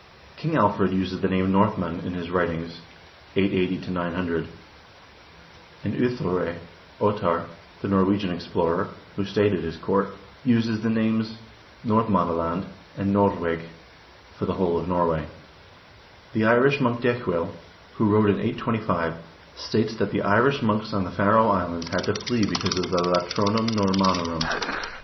King Alfred uses the name Nordmenn in his writings (880 900), and Ohthere (Ottar), the Norwegian explorer, who stayed at his court, uses the names Nordmannaland and Nordweg for the whole of Norway.2 The Irish monk Decuil, who wrote in 825, states that the Irish monks on the Faroe Islands had to flee because of the Latronum Normannorum.